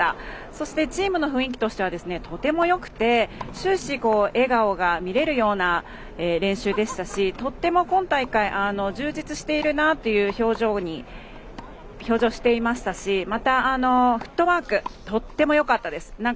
そしてチームの雰囲気としてはとてもよくて終始、笑顔が見れるような練習でしたしとても今大会、充実しているなという表情をしていましたしまた、フットワークとってもよかったです。